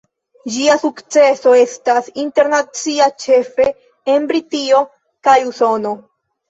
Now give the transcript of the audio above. Ĝia sukceso estas internacia, ĉefe en Britio kaj Usono.